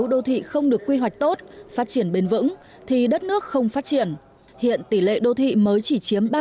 đoán quy hoạch cụ thể các đồ thị mới